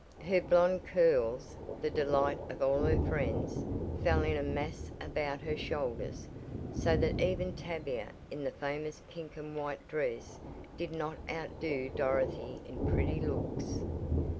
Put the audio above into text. Her blonde curls the delight of all her friends, fell in a mass about her shoulders, so that even Tavia in the famous pink and white dress did not outdo Dorothy in pretty looks.